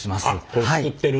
これ作ってる？